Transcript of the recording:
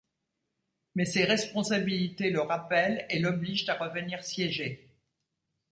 Mais ses responsabilités le rappellent et l'obligent à revenir siéger.